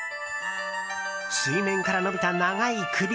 水面から伸びた長い首。